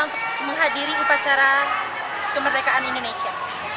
untuk menghadiri upacara kemerdekaan indonesia